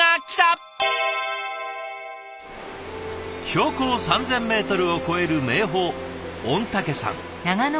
標高３，０００ｍを超える名峰御嶽山。